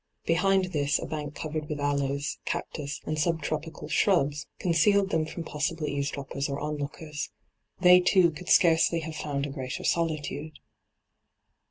Sehind this a bank covered with aJoes, cactus, and subtropical shrubs concealed them from possible eavesdroppers or onlookers. They two could scarcely have found a greater solitude.